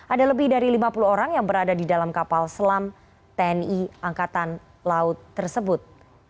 ada lebih dari lima puluh orang yang berada di dalam kapal selam tni angkatan laut tersebut